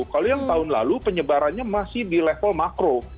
kalau yang tahun lalu penyebarannya masih di level makro